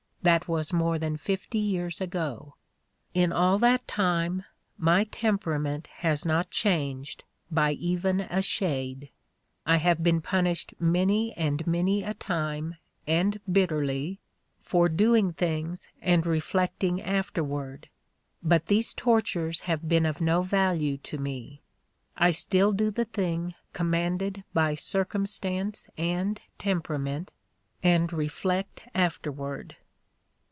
That was more than fifty years ago. In all that time my temperament has not changed, by even a shade. I have been punished many and many a time, and bit terly, for doing things and reflecting afterward, but these tortures have been of no value to me : I still do the thing commanded by Circumstance and Temperament, and reflect afterward."